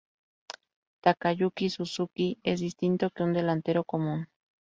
Takayuki Suzuki es distinto que un delantero común.